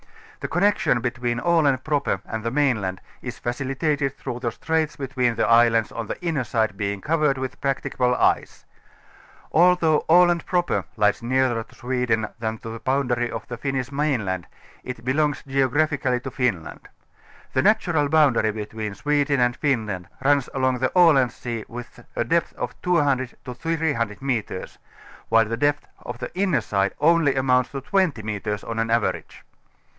The connection between Aland proper and the mainland is facilitated through the straits between the islands on the inner side being covered with practicable ice. Although Aland Projjer lies nearer to Sweden than to the boundary of the Finnish mainland it belongs geogra phically to Finland. The natural boundary between Sweden and Finland runs along the Aland Sea with a depth of 200 ŌĆö 300 metres, while the depth on the inner side only amounts to 20 metres on an average.